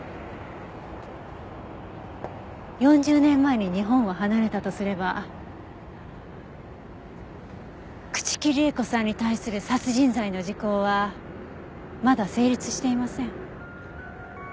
４０年前に日本を離れたとすれば朽木里江子さんに対する殺人罪の時効はまだ成立していません。